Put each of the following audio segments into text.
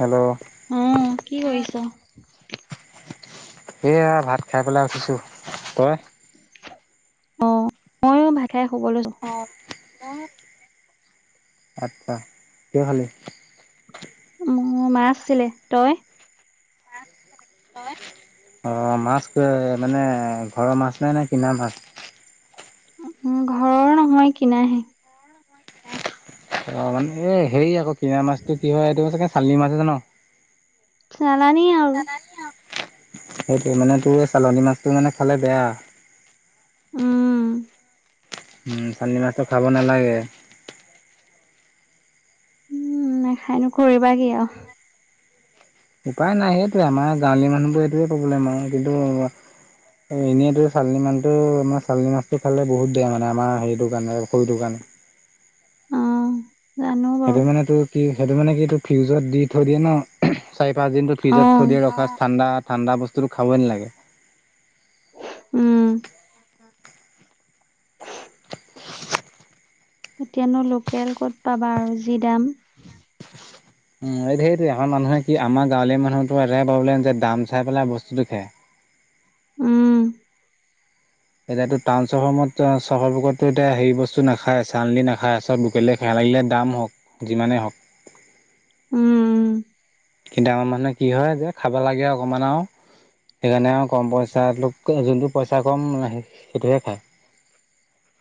Hello উম, কি কৰিছ? এয়া ভাত খাই পেলাই উঠিছো, তই? অ', মইও ভাত খাই শুব লৈছোঁ। আচ্ছা, কিহে খালি? মই মাছ আছিলে, তই? [unintelligible] অ', মাছ মানে ঘৰৰ মাছ নে নাই কিনা মাছ? ঘৰৰ নহয় কিনাহে। অ', মানে এই হেৰি আকৌ কিনা মাছটো কি হয়, এইটো চাগে চালানী মাছহে ন? চালানীয়েই আৰু। সেইটোৱেই, মানে তোৰ এই চালানী মাছটো মানে খালে বেয়া। উম। চালানী মাছটো খাব নালাগে। উম, নাখাই নো কৰিবা কি আৰু। উপায় নাই সেইটোৱেই আমাৰ গাঁৱলীয়া মানুহবোৰৰ এইটোৱে প্ৰব্লেম আৰু কিন্তু এনেইতো চালানী মানটো মানে চালনী মাছটো খালে বহুত বেয়া মানে আমাৰ হেৰিটোৰ কাৰণে শৰীৰটোৰ কাৰণে। [inaudible] অ'। জানো বাৰু সেইটো মানে তোৰ কি সেইটো মানে কি তোৰ ফ্ৰিজত দি থৈ দিয়ে ন। চাৰি পাঁচ দিনটো অ ফ্ৰিজত থৈ দিয়ে ৰখা ঠাণ্ডা ঠাণ্ডা বস্তুটো খাবই নালাগে। উম। এতিয়ানো লোকেল ক'ত পাবা আৰু যি দাম। উম, এই সেইটোৱেই, আমাৰ মানুহে কি আমাৰ গাঁৱলীয়া মানুহৰতো এটাই প্ৰব্লেম যে দাম চাই পেলাই বস্তুটো খায়। উম। এতিয়াতো টাউন চহৰবত-চহৰবোকততো এতিয়া হেৰি বস্তু নাখাই চালানী নাখায় চব লোকেলেই খাই। লাগিলে দাম হ'ক, যিমানে হ'ক। উম, উম। [unintelligible] মানে কি হয়, যে খাবা লাগে অকমান আৰু। সেইকাৰণে আৰু কম পইচা লোকে জোনটো পইচা কম, সেইটোহে খায়।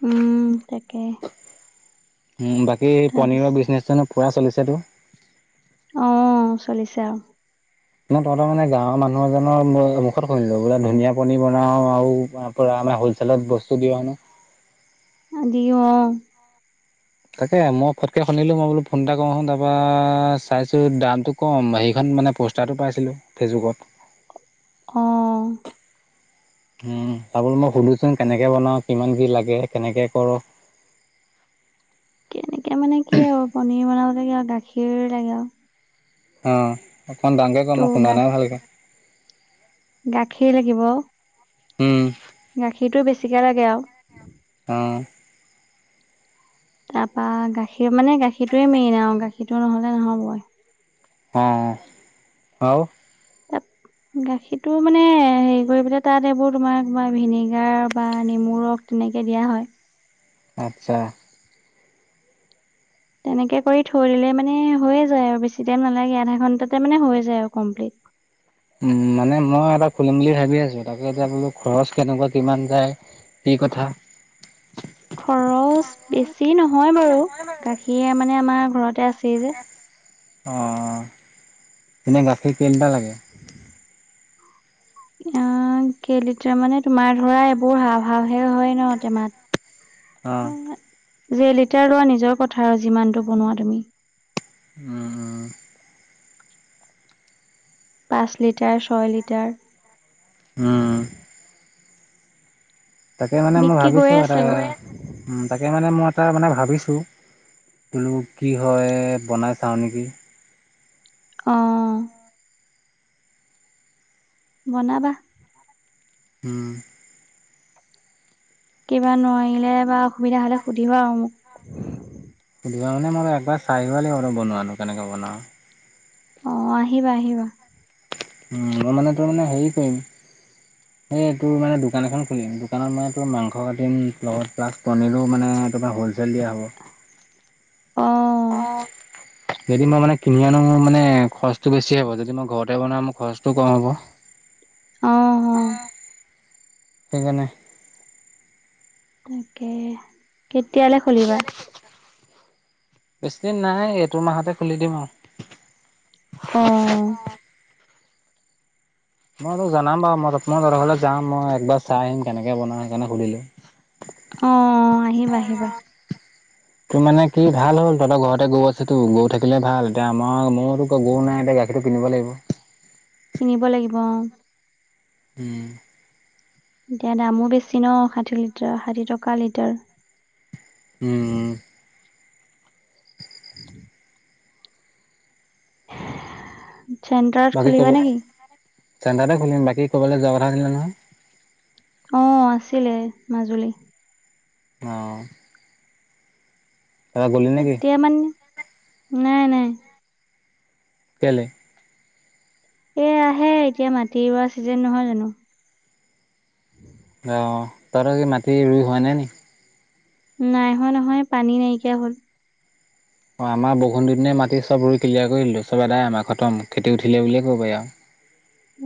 উম, তাকে। উম, বাকী তাৰপিছ পনীৰৰ বিজনেচনো পুৰা চলিছে তোৰ। অ', চলিছে আৰু। মানে তহঁতৰ মানে গাঁৱৰ মানুহ এজনৰ মু-মুখত শুনিলোঁ, বোলে ধুনীয়া পনীৰ বনাৱ আৰু [inaudible] আমাৰ হ'লচেলত বস্তু দিয় হেনো। দিওঁ অ'। তাকে, মই ফটকে শুনিলোঁ, মই বোলোঁ ফোন এটা কৰো [unintelligible] তাৰপা চাইছোঁ দামটো কম, হেৰিখন উম, মানে প'ষ্টাৰটো পাইছিলোঁ, ফেচবুকত। অ'। হম, তা বল মই সুধিছোঁ, কেনেকে বনাওঁ, কিমান কি লাগে, কেনেকে কৰ'। কেনেকে মানে কি আৰু পনীৰ বনাব লাগে আৰু গাখীৰ লাগে আৰু। অ', অকণ ডাঙৰকে ক' মই ত' গা শুনা নাই ভালকে। গাখীৰ লাগিব। উম। গাখীৰটো বেছিকে লাগে আৰু। অ'। তাৰপা গাখীৰ, মানে গাখীৰটোৱে মেইন আৰু গাখীৰটো নহ'লে নহ'বই। অ', আৰু? [inaudible] গাখীৰটো মানে হেৰি কৰিবলে তাত এইবোৰ তোমাৰ তোমাৰ ভিনেগাৰ বা নেমুৰ ৰখ দিম। এনেকে দিয়া হয়। আচ্ছা। তেনেকে কৰি থৈ দিলে মানে হৈয়ে যাই আৰু বেছি টাইম নালাগে, আধা ঘণ্টাতে মানে হয় যাই কমপ্লিট। উম, মানে মই এটা খুলিম বুলি ভাবি আচ [unintelligible] বোলো খৰচ কেনেকুৱা কিমান যায় কি কথা। খৰচ বেছি নহয় বাৰু গাখীৰে মানে আমাৰ ঘৰতে আছ অ', তুমি গাখীৰ কেইলিটাৰ লাগে। আ, কেইলিটাৰ মানে তোমাৰ ধৰা এইবোৰ হাও ভাওয়ে হয় ন' টেমাত। অ এ, যেই লিটাৰ লোৱা নিজৰ কথা আৰু যিমানটো বনোৱা তুমি। উম। পাঁচ লিটাৰ ছয় লিটাৰ। উম। তাকে মানে মই বিক্ৰী ভাবিছোঁ গৈয়ে আছে এটা বাৰু। উম, তাকে মানে মই তাৰ মানে ভাবিছোঁ, বোলো কি হয় বনাই চাওঁ নেকি। অ'। বনাবা। হম। কিবা নোৱাৰিলে বা অসুবিধা হ'লে সুধিবা আৰু মোক। সুধিবা মানে মই একবাৰ চাই আহিব লাগিব বনোৱানো কেনেকৈ বনাওঁ। অ', আহিবা, আহিবা। উম, মই মানে তই মানে হেৰি কৰিম। এই তোৰ মানে দোকান এখন খুলিম। দোকানত মানে তোৰ মাংস কাটিম, লগত প্লাচ পনীৰো মানে না তোমাৰ হ'লচেল দিয়া হ'ব? অ'। যদি মই মানে কিনি আনো মানে খৰচটো বেছি হ'ব। যদি মই ঘৰতে বনাওঁ মোৰ খৰচটোও কম হ'ব। অ সেইকাৰণে তাকে কেতিয়ালৈ খুলিবা বেছি দিন নাই এইতো মাহতে খুলি দিম আৰু অ মই তোক জনাম বাৰু মই মই তহতৰ ঘৰলৈ যাম মই একবাৰ চাই আহিম কেনেকে বনাই সেইকাৰণে সুধিলো অ আহিবা আহিবা তোৰ মানে কি ভাল হ'ল তহতৰ ঘৰতে গৰু আছে তো গৰু থাকিলে ভাল এতিয়া আমাৰ মোৰতো গৰু নাই এতিয়া গাখীৰটো কিনিব লাগিব কিনিব লাগিব অ হম এতিয়া দামো বেছি ন ষাঠি লিটাৰ ষাঠি টকা লিটাৰ উম চেণ্টাৰত বাকী ক'ব খুলিবানে কি চেণ্টাৰতে খুলিম বাকী কৰবালৈ যোৱা কথা আছিলে নহয় অ আছিলে মাজুলী অ এতিয়া মানে নাই নাই কেলে এ আহে এতিয়া মাটি ৰোৱা চিজন নহয় জানো অ তাহতৰ কি মাটি ৰুই হোৱা নাই নি নাই হোৱা নহয় পানী নাইকিয়া হ'ল অঁ আমাৰ বষুণ দুদিনে মাটি চব ৰুই ক্লিয়াৰ কৰিলোঁ চব আদাই আমাৰ খতম খেতি উঠিলে বুলিয়ে ক'ব আৰু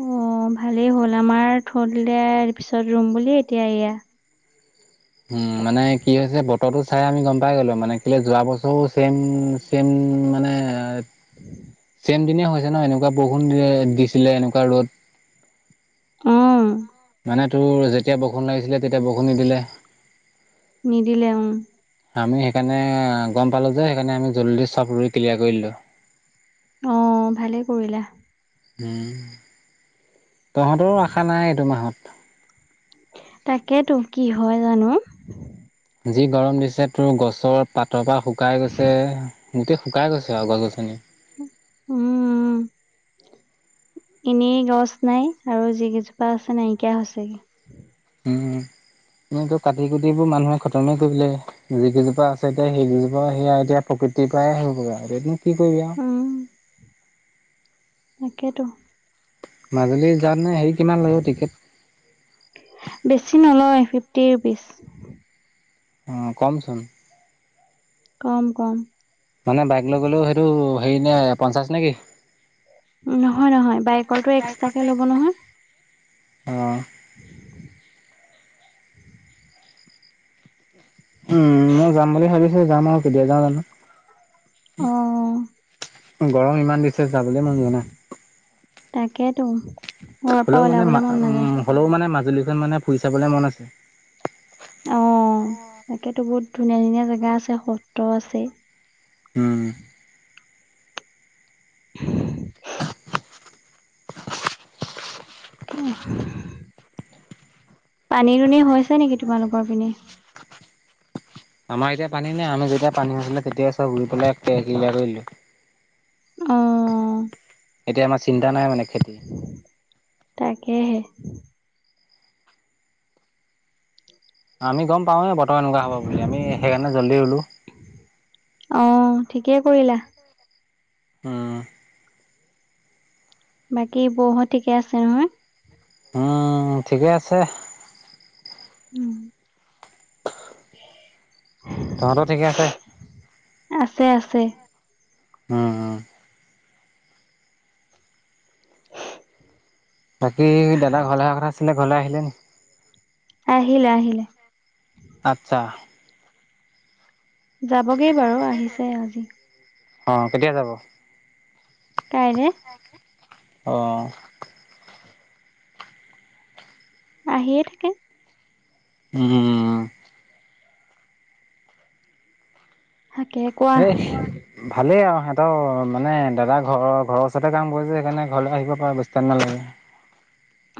উ অ ভালেই হ'ল আমাৰ থ দিলে পিছত ৰুম বুলি এতিয়া এয়া উম মানে কি হৈছে বতৰতো চাই আমি গম পাই গলো মানে কিলে যোৱা বছৰো চেম চেম উম মানে ম দিনে হৈছে ন এনেকুৱা বৰষুণ দিছিলে এনেকুৱা ৰ'দ উম মানে তোৰ যেতিয়া বৰষুণ লাগিছিলে তেতিয়া বৰষুণ নিদিলে নিদিলে উম। আমি সেইকাৰণে গম পালো যে সেইকাৰণে আমি জলদি চব ৰুই ক্লিয়াৰ কৰি দিলো অ ভালেই কৰিলা উম তহঁতৰ আশা নাই এইটো মাহত তাকেতো কি হয় জানো যি গৰম দিছে তোৰ গছৰ পাত তৰ পা শুকাই গৈছে গোটেই শুকাই গৈছে আৰু গছ গছনি উম এনেই গছ নাই আৰু যি কেইজোপা আছে নাইকিয়া হৈছেগে উম টো কাটি কুটিবোৰ মানুহে খতমে কৰিলে যি কেইজোপ আছে এতিয়া সেইজোপা সেয়া এতিয়া গুটি পা হগ আৰু তন কি কৰিবি আও তাকেইতো মাজুলী যাওঁতেনে হেৰি কিমান লাগিব টিকেট বেছি নলয় ফিফটি ৰুপিছ অ কমচোন কম কম মানে বাইক লৈ গ'লেও সেইটো হেৰি নে পঞ্চাশ নেকি নহয় নহয় বাইকৰটো এক্সাকে ল'ব নহয় অ'। [unintelligible] উম, মই যাম বুলি ভাবিছো যাম আৰু কেতিয়া যাও জানো। অ' গৰম ইমান দিছে যাবলৈ মন যোৱা নাই। তাকেতো ঘৰৰ পৰা হ'লেও মানে ওলাবলে মন নাযায়। উম হ'লেও মানে মাজুলী মানে ফুৰি চাবলে মন আছে। অ তাকেতো বহুত ধুনীয়া ধুনীয়া জেগা আছে সত্ৰ আছে। হম। কি? পানী দুৰুণী হৈছে নেকি তোমালোকৰ পিনে? আমাৰ এতিয়া পানী নাই আমি যেতিয়া পানী হৈছিলে তেতিয়া চ'ব ঘুৰি পেলাই কৰিলো। অ এতিয়া আমাৰ চিন্তা নাই মানে খেতি। তাকেহে। আমি গম পাওৱে বতৰ এনেকুৱা হ'ব বুলি আমি সেইকাৰণে জল্দি ৰুলো। অ ঠিকেই কৰিলা। উম। বাকী বহুত ঠিকে আছে নহয়? ঠিকে আছে। উম। উ [unintelligible] তহো ঠিকে আছে? আছে আছে উম। বাকী দাদা ঘৰলৈহ কথা আছিলে ঘৰলে আহিলে? আহিলে আহিলে। আচ্ছা। যাবগে বাৰু আহিছে আজি। অ কেতিয়া যাব? কাইলে। অঁ'। আহিয়ে থাকে। উম। থাকে কোৱা এ ভালেই আৰু। সহঁতৰ মানোদা ঘৰৰ ঘৰৰ ওচৰতে কাম কৰিছে সেইকাৰণে ঘৰলৈ আহিব পাৰে বস্তাৰ নালাগে।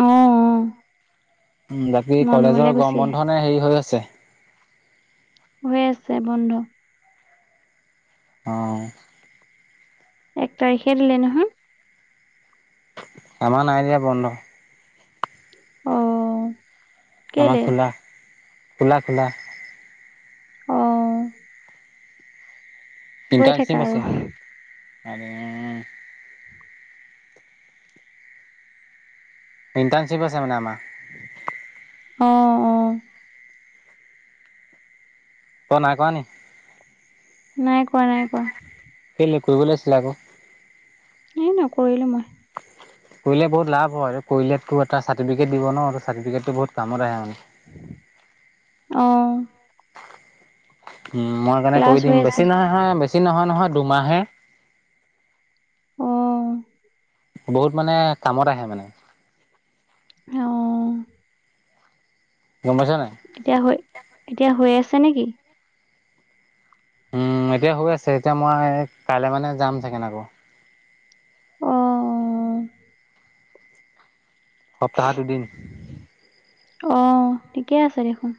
আহম উম। উ বাকী কলেজৰ গম বন্ধনে হেৰি হৈ আছে। হৈ আছে বন্ধ। অ'। একটাই হেৰলে নহয়। আমাৰ নাই দিয়া বন্ধ। অ'। আমাৰ কেলে খোলা খোলা খোলা। অ'। গৈ থাকা আৰু। আৰু। ইণ্টাৰনশিপছে আমাৰ। অ অ। ক নাই কোৱা ন? নাই কৰাৱা নাই কোৱা। কৰিবলৈ আছিলে আকৌ। এ নকৰিলো মই। কৰিলে বহুত লাভ হয়, কৰিলোতো এটা চাৰ্টিফিকেট দিব ন চাৰটিফিকেটতো বহুত কামত আহে মানে। আহ'। উম' মই সেইকাৰণে ক্লাছ কৰি হৈ দিম আছে বেছি নহয় হয় বেছি নহয় নহয় দুমাহহে। অহ'। বহুত মানে কামত আহে মানে। আহ'। গম পাইছ নাই? হৈ এতিয়া হৈ আছে নেকি? উম' এতিয়া হৈ আছে, এতিয়া মই কাইলে মানে যাম চাগে আকৌ। অহ'। সপ্তাহত দুদিন। অ ঠিকে আছে দেখোন।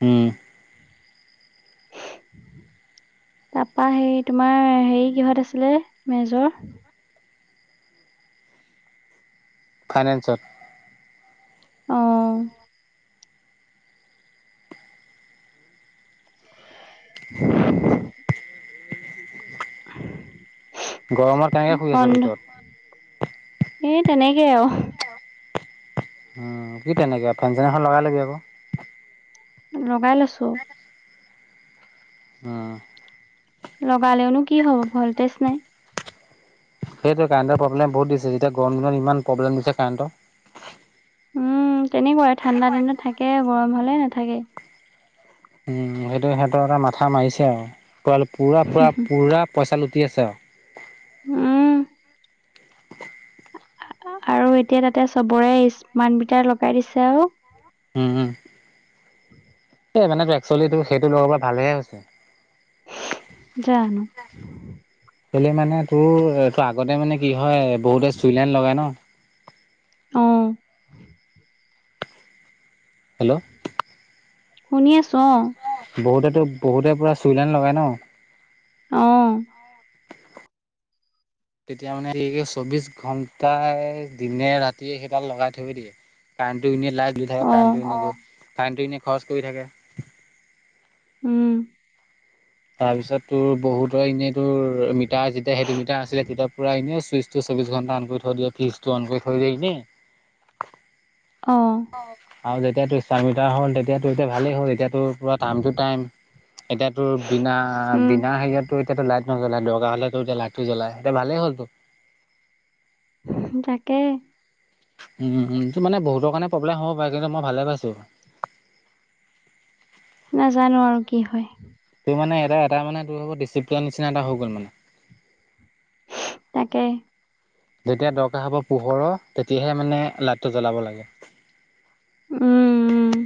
হম'। [inaudible] তাপা হেৰি তোমাৰ হেৰি কিহত আছিলে মেজৰ? ফাইনেন্সত। অহ'। [inaudible] গৰমত কেনেকে [inaudible] শুই আছ বন্ধ, ভিতৰত। এই তেনেকেই আৰু। উম', কি তেনেকে ফেন চেন এখন লগাই ল'বি আকৌ। লগাই লৈছো। উম'। লগালেওনো কি হ'ব, ভলটেজ নাই। সেইটোৱে কাৰেণ্টৰ প্ৰব্লেম বহুত দিছে, এতিয়া গৰম দিনত ইমান প্ৰব্লেম দিছে কাৰেণ্টৰ। উম', তেনেকুৱাই ঠাণ্ডা দিনত থাকে, গৰম হ'লে নাথাকে। উম', সেইটো সিহঁতৰ এটা মাথা মাৰিছে আৰু, পুৰা পুৰা পুৰা পইচা লো টি আছে আৰু। উম। আৰু এতিয়া তাতে চবৰে স্মাৰ্ট মিটাৰ লগাই দিছে আৰু। উম', হুম। [inaudible] এই মানে তোৰ একচোৱেলি তোৰ সেইটো লগোৱাৰ পৰা ভালেহে হৈছে। জানো। কেলে মানে তোৰ তোৰ আগতে মানে কি হয়, বহুতে চুইলেণ্ড লগাই ন। উম। হেল্ল'। শুনি আছো অ। বহুতেতো বহুতে পুৰা চুইলেন লগাই ন। অহ'। তেতিয়া মানে [unintelligible] চৌবিশ ঘন্টাই দিনে ৰাতিয়ে সেইডাল লগাই থৈ দিয়ে। কাৰেণ্টটো এনে লাইট [unintelligible] থাকে, অ', কাৰেণ্টটো এনে কাৰেণ্টটো এনে খৰচ কৰি থাকে। উম। তাৰপিছত তোৰ বহুতৰ এনেই তোৰ মিটাৰ যেতিয়া সেইটো মিটাৰ আছিলে, তেতিয়া পুৰা এনে চুইচটো চৌবিশ ঘণ্টা অন কৰি থৈ দিয়ে, ফ্ৰিজটো অন কৰি থৈ দিয়ে ইনে। অহ'। আৰু যেতিয়াতো স্মাৰ্ট মিটাৰ হ'ল, তেতিয়াতো এতিয়া ভালেই হ'ল, এতিয়া‌ পুৰা টাইম টু টাইম। এতিয়াতো বিনা উম, বিনা হেৰিয়াতটো এতিয়াতো লাইট নজলাই, দৰকাৰ হ'লে এতিয়া লাইটটো জ্বলাই, এতিয়া ভালেই হ'লটো। তাকে। টো মানে বহুতৰ কাৰণে প্ৰব্লেম হ'ব পাৰে কিন্তু মই ভালে পাইছোঁ- নাজানো আৰু কি হয় তোৰ মানে, এটা এটা মানে, তোৰ হ'ব ডিচিপ্লিন নিচিনা এটা হৈ গ'ল মানে তাকে যেতিয়া দৰকাৰ হ'ব পোহৰৰ তেতিয়াহে মানে, লাইটটো জ্বলাব লাগে উম, উম,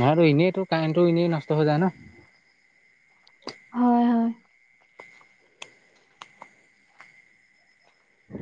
নহয়ো, এনেইতো কাৰেণ্টটো এনেই নষ্ট হৈ যায় ন হয়, হয়, উ,